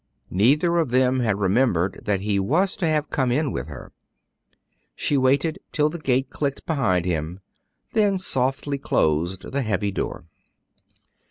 Neither of them had remembered that he was to have come in with her. She waited till the gate clicked behind him, and then softly closed the heavy door.